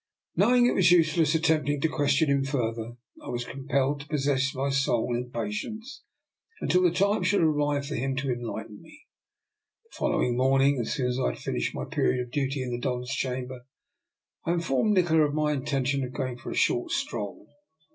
Knowing it was useless attempting to question him further, I was compelled to pos sess my soul in patience until the time should arrive for him to enlighten me. The follow ing morning, as soon as I had finished my period of duty in the Don's chamber, I in DR. NIKOLA'S EXPERIMENT. 213 formed Nikola of my intention of going for a short stroll.